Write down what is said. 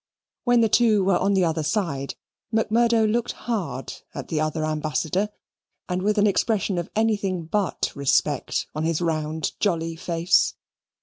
When the two were on the other side, Macmurdo looked hard at the other ambassador and with an expression of anything but respect on his round jolly face.